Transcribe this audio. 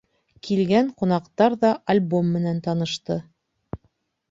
Килгән ҡунаҡтар ҙа альбом менән танышты.